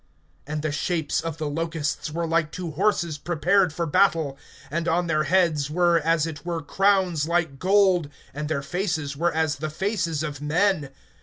(7)And the shapes of the locusts were like to horses prepared for battle; and on their heads were as it were crowns like gold, and their faces were as the faces of men.